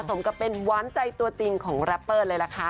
สมกับเป็นหวานใจตัวจริงของแรปเปอร์เลยล่ะค่ะ